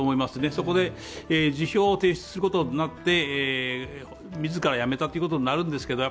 そこで辞表を提出することになって、自ら辞めたということになるんですけど